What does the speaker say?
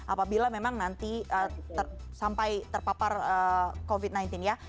apabila memang nanti sampai terpapar covid sembilan belas ya